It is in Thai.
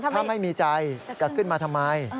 ถ้าไม่มีใจจะขึ้นมาทำไม